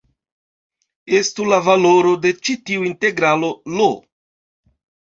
Estu la valoro de ĉi tiu integralo "I".